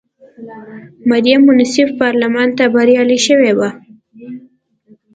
مریم منصف پارلمان ته بریالی شوې وه.